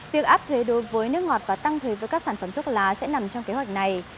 việc áp thuế đối với nước ngọt và tăng thuế với các sản phẩm thuốc lá sẽ nằm trong kế hoạch này